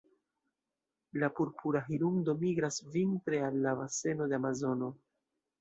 La Purpura hirundo migras vintre al la baseno de Amazono.